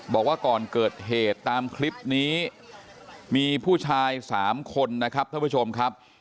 บอกว่าก่อนเกิดเหตุตามคลิปนี้มีผู้ชาย๓คนนะครับท่านผู้ชมครับ